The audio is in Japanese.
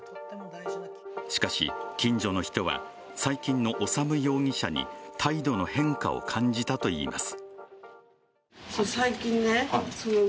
しかし近所の人は最近の修容疑者に態度の変化を感じたといいます。